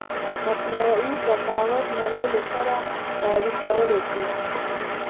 مثنوعې زکاوت نړی له سره تعریف کولای شې